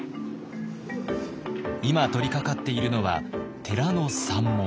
今取りかかっているのは寺の山門。